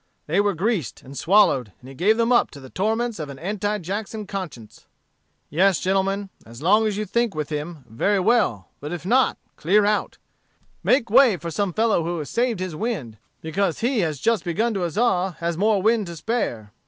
They were greased and swallowed: and he gave them up to the torments of an anti Jackson conscience. "Yes, gentlemen, as long as you think with him, very well; but if not clear out; make way for some fellow who has saved his wind; and because he has just begun to huzza, has more wind to spare.